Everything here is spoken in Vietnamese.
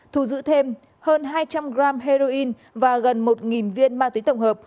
thù dự thêm hơn hai trăm linh gram heroin và gần một viên ma túy tổng hợp